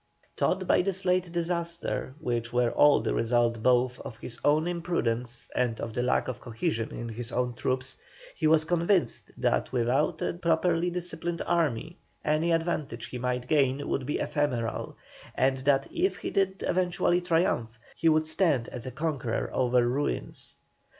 Taught by his late disasters, which were the result both of his own imprudence and of the lack of cohesion in his troops, he was convinced that without a properly disciplined army any advantage he might gain would be ephemeral, and that if he did eventually triumph, he would stand as a conqueror over ruins.